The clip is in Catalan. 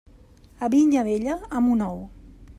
A vinya vella, amo nou.